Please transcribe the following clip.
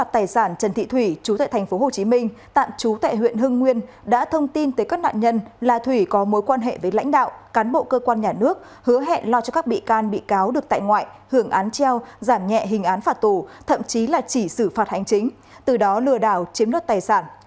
tài sản trần thị thủy chú tại tp hcm tạm trú tại huyện hưng nguyên đã thông tin tới các nạn nhân là thủy có mối quan hệ với lãnh đạo cán bộ cơ quan nhà nước hứa hẹn lo cho các bị can bị cáo được tại ngoại hưởng án treo giảm nhẹ hình án phạt tù thậm chí là chỉ xử phạt hành chính từ đó lừa đảo chiếm đoạt tài sản